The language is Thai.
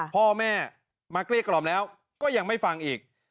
พ่อแม่มาเกลี้ยกล่อมแล้วก็ยังไม่ฟังอีก